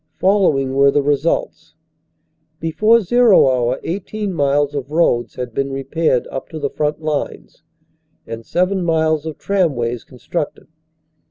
Following were the results: Before "zero" hour 18 miles of roads had been repaired up to the front lines and seven miles of tramways constructed.